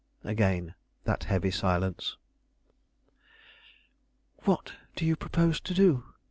Again that heavy silence. "What do you propose to do?"